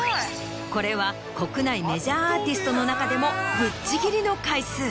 これは国内メジャーアーティストの中でもぶっちぎりの回数。